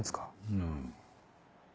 うん。